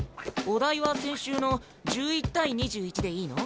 お題は先週の１１対２１でいいの？